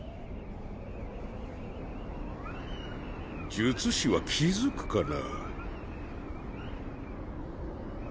術師は気付くかな？